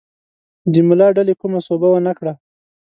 د ملا ډلې کومه سوبه ونه کړه.